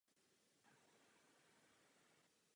Následovalo kanadské a americké turné.